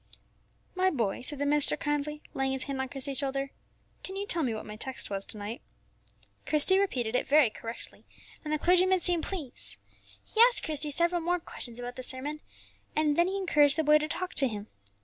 "My boy," said the minister kindly, laying his hand on Christie's shoulder, "can you tell me what my text was to night?" Christie repeated it very correctly, and the clergyman seemed pleased. He asked Christie several more questions about the sermon, and then he encouraged the boy to talk to him.